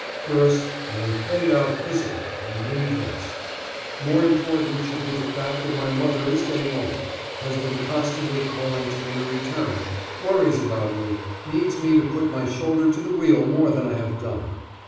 First, I am played out physically and need rest. More important should be the fact that my mother is getting old, has been constantly calling to me to return, worries about me, needs me to put my shoulder to the wheel more than I have done.